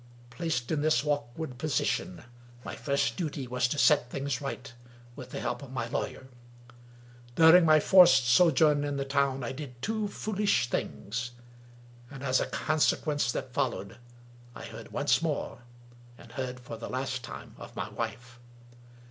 Placed in this awkward position, my first duty was to set things right, with the help of my lawyer. During my forced sojourn in the town I did two foolish things. And, as a consequence that followed, I heard once more, and heard for the last time, of my wife.